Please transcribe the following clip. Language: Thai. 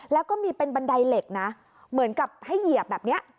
แล้วก็มีเป็นบันไดเหล็กนะเหมือนกับให้เหยียบแบบนี้